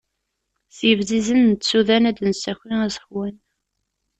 S yebzizen n tsudan ad nessaki iẓekwan.